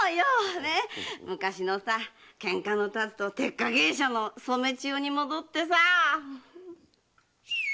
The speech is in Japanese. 昔の“喧嘩の辰”と“鉄火芸者の染千代”に戻ってさァ！